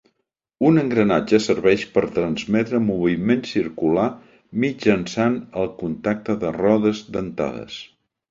Un engranatge serveix per transmetre moviment circular mitjançant el contacte de rodes dentades.